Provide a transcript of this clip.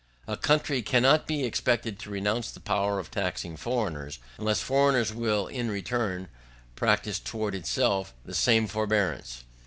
A country cannot be expected to renounce the power of taxing foreigners, unless foreigners will in return practise towards itself the same forbearance.